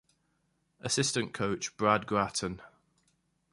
Assistant coach Brad Gratton.